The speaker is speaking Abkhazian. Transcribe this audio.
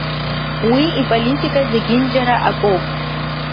Уи иполитика зегьынџьара акоуп.